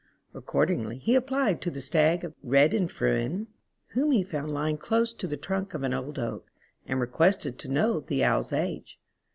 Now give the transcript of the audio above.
Accordingly he applied to the Stag of Rhedynfre, whom he found lying close to the trunk of an old oak, and requested to know the Owl's age.